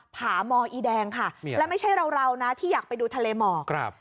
ผามอีแดงค่ะและไม่ใช่เรานะที่อยากไปดูทะเลหมอกครับ